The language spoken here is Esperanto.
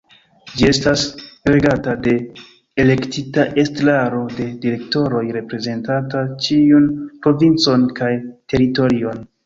Ĝi estas regata de elektita Estraro de direktoroj reprezentanta ĉiun provincon kaj teritorion.